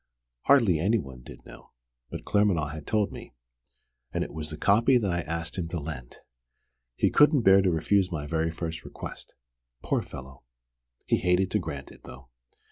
Hardly any one did know. But Claremanagh had told me. And it was that copy I asked him to lend! He couldn't bear to refuse my very first request. Poor fellow, he hated to grant it, though!